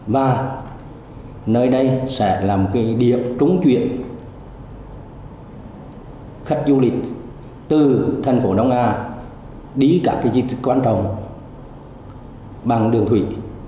và nơi đây sẽ là một cái điểm trúng chuyện khách du lịch từ thành phố đông a đi cả cái di tích quan trọng bằng đường thủy